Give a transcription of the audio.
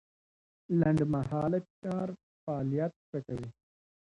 لنډمهاله فشار فعالیت ښه کوي.